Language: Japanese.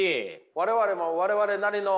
我々も我々なりの。